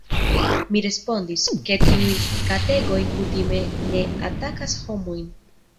Mi respondis, ke tiuj kategoj kutime ne atakas homojn.